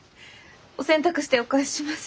お洗濯してお返しします。